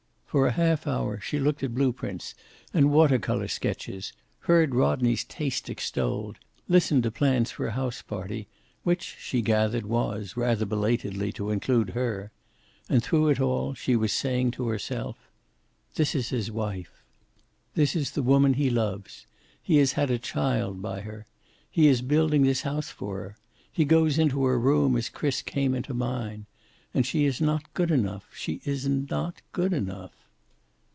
For a half hour she looked at blueprints and water color sketches, heard Rodney's taste extolled, listened to plans for a house party which she gathered was, rather belatedly, to include her. And through it all she was saying to herself, "This is his wife. This is the woman he loves. He has had a child by her. He is building this house for her. He goes into her room as Chris came into mine. And she is not good enough. She is not good enough."